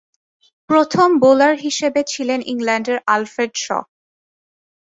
প্রথম বোলার হিসেবে ছিলেন ইংল্যান্ডের আলফ্রেড শ।